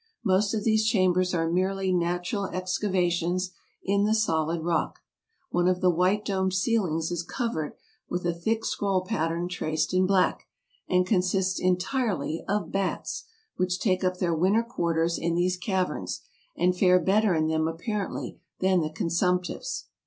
Most of these chambers are merely natural excava tions in the solid rock. One of the white domed ceilings is covered with a thick scroll pattern traced in black, and con sists entirely of bats, which take up their winter quarters in these caverns, and fare better in them apparently than the consumptives.